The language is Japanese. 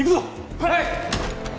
はい！